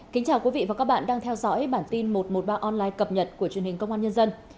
kính chào quý vị và các bạn đang theo dõi bản tin một trăm một mươi ba online cập nhật của truyền hình công an nhân dân